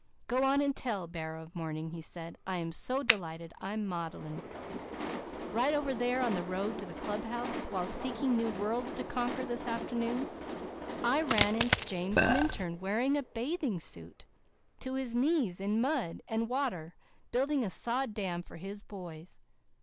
"Go on and tell, 'Bearer of Morning,'" he said. "I am so delighted I'm maudlin." "Right over there, on the road to the club house, while 'seeking new worlds to conquer' this afternoon, I ran into James Minturn wearing a bathing suit, to his knees in mud and water, building a sod dam for his boys."